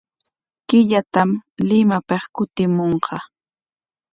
Killatam Limapik kutimunqa.